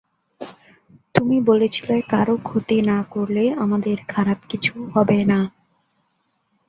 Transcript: তুমি বলেছিলে কারো ক্ষতি না করলে আমাদের খারাপ কিছু হবে না।